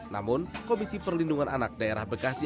namun komisi perlindungan anak daerah bekasi